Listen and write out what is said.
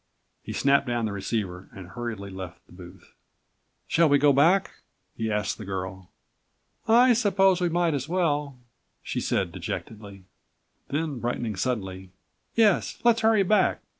He snapped down the106 receiver and hurriedly left the booth. "Shall we go back?" he asked the girl. "I suppose we might as well," she said dejectedly. Then brightening suddenly, "Yes, let's hurry back.